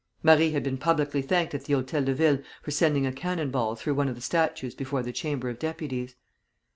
Marie had been publicly thanked at the Hôtel de Ville for sending a cannonball through one of the statues before the Chamber of Deputies.